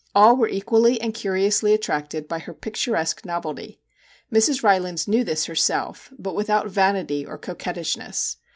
All were equally and curiously attracted by her pic turesque novelty. Mrs. Rylands knew this herself, but without vanity or coquettishness.